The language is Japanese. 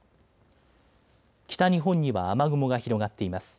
北日本には雨雲が広がっています。